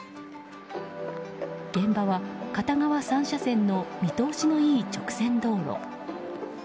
現場は片側３車線の見通しのいい直線道路。